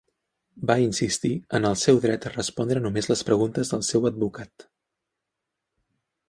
Va insistir en el seu dret a respondre només les preguntes del seu advocat.